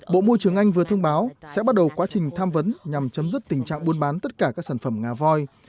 bộ môi trường anh vừa thông báo sẽ bắt đầu quá trình tham vấn nhằm chấm dứt tình trạng buôn bán tất cả các sản phẩm ngà voi